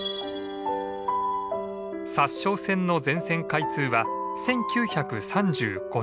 札沼線の全線開通は１９３５年。